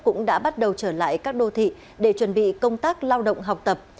cũng đã bắt đầu trở lại các đô thị để chuẩn bị công tác lao động học tập